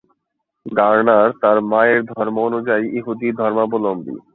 Garner তার মায়ের ধর্ম অনুযায়ী ইহুদি ধর্মাবলম্বী।